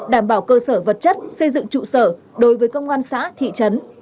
đảm bảo cơ sở vật chất xây dựng trụ sở đối với công an xã thị trấn